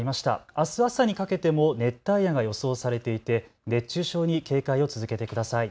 あす朝にかけても熱帯夜が予想されていて熱中症に警戒を続けてください。